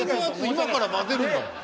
今から混ぜるんだもん。